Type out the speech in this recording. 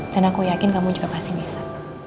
dan aku yakin kamu juga pasti bisa